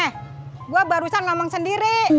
he gua barusan ngomong sendiri